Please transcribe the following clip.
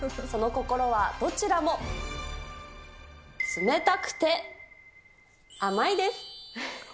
その心は、どちらも、冷たくて甘いです。